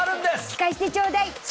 聞かしてちょうだい。